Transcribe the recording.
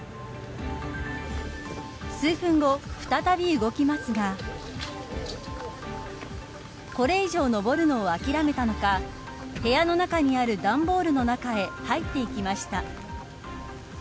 数分後、再び動きますがこれ以上上るのを諦めたのか部屋の中にある段ボールの中へ入っていきました。